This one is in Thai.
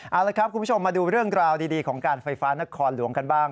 เอาละครับคุณผู้ชมมาดูเรื่องราวดีของการไฟฟ้านครหลวงกันบ้าง